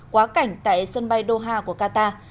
quá cảnh tại sân bay doha của qatar